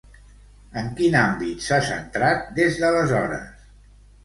En quin àmbit s'ha centrat, des d'aleshores?